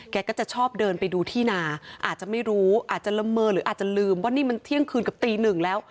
ก็จะชอบเดินไปดูที่นาอาจจะไม่รู้อาจจะละเมอหรืออาจจะลืมว่านี่มันเที่ยงคืนกับตีหนึ่งแล้ว